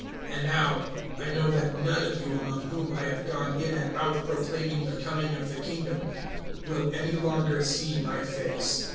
020:025 "And now, I know that none of you among whom I have gone in and out proclaiming the coming of the Kingdom will any longer see my face.